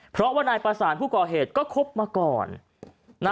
เพราะว่านายประสานผู้ก่อเหตุก็คบมาก่อน